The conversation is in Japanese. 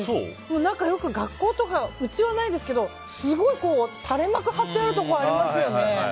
よく学校とかうちはないですけど垂れ幕が張ってあるところありますよね。